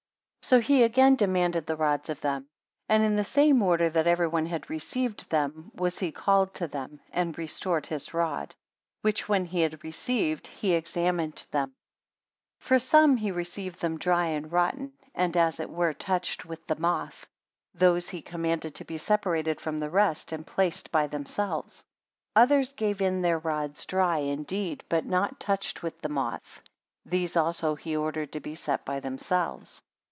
5 So he again demanded the rods of them; and in the same order that every one had received them, was he called to him, and restored his rod; which when he had received, he examined them. 6 From some he received them dry and rotten, and as it were touched with the moth; those he commanded to be separated from the rest, and placed by themselves. Others gave in their rods dry indeed, but not touched with the moth: these also he ordered to be set by themselves.